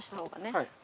はい。